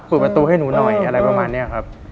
เปิดประตูให้หนูหน่อยอะไรประมาณนี้ครับ